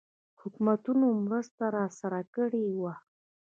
حکومتونو مرسته راسره کړې وه.